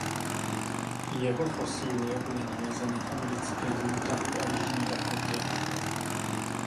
Jeho fosílie byly nalezeny v americkém Utahu a Jižní Dakotě.